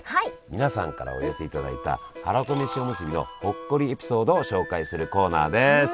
皆さんからお寄せいただいたはらこめしおむすびのほっこりエピソードを紹介するコーナーです。